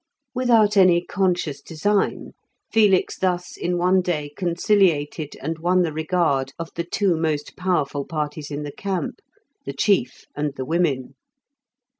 Without any conscious design, Felix thus in one day conciliated and won the regard of the two most powerful parties in the camp, the chief and the women.